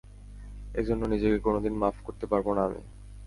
এজন্য নিজেকে কোনোদিন মাফ করতে পারবো না আমি।